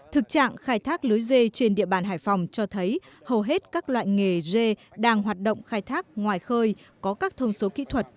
thực trạng khai thác lưới dê trên địa bàn hải phòng cho thấy hầu hết các loại nghề dê đang hoạt động khai thác ngoài khơi có các thông số kỹ thuật